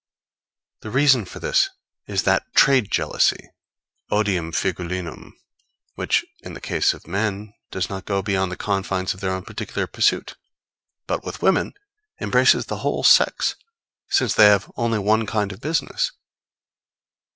The reason of this is that trade jealousy odium figulinum which, in the case of men does not go beyond the confines of their own particular pursuit; but, with women, embraces the whole sex; since they have only one kind of business.